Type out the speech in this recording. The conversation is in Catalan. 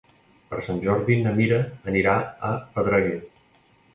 Per Sant Jordi na Mira anirà a Pedreguer.